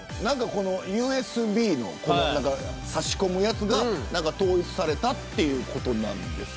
ＵＳＢの差し込むやつが統一されたということなんですが。